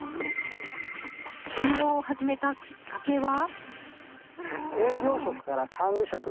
副業を始めたきっかけは？